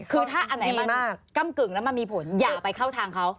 คือถ้าอันไหนมันก้ำกึ่งแล้วมันมีผลอย่าไปเข้าทางเขา